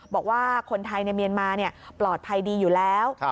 บอกว่าคนไทยในเมียนมาปลอดภัยดีอยู่แล้ว